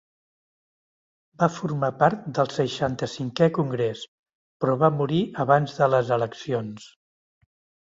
Va formar part del seixanta cinquè congrés, però va morir abans de les eleccions.